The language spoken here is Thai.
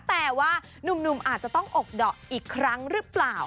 แต่ว่านุ่มอาจจะต้องอกดอกอีกครั้งหรือเปล่า